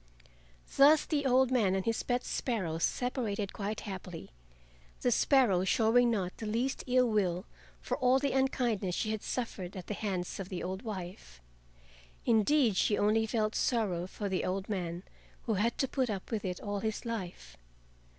Thus the old man and his pet sparrow separated quite happily, the sparrow showing not the least ill will for all the unkindness she had suffered at the hands of the old wife. Indeed, she only felt sorrow for the old man who had to put up with it all his life.